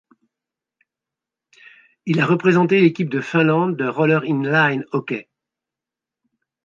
Il a représenté l'équipe de Finlande de Roller in line hockey.